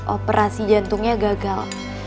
operasi jantungnya gagal